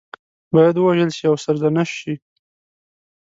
باید ووژل شي او سرزنش شي.